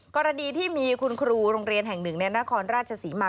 กรณีที่มีคุณครูโรงเรียนแห่งหนึ่งในนครราชศรีมา